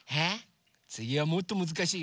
つぎはもっとむずかしいよ。